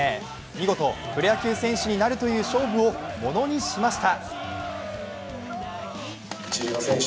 見事、プロ野球選手になるという勝負をものにしました。